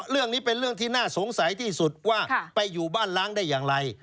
เรื่องนี้เป็นเรื่องที่น่าสงสัยที่สุดว่าไปอยู่บ้านล้างได้อย่างไร